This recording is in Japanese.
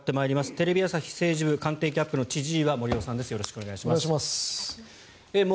テレビ朝日政治部官邸キャップの千々岩森生さんです。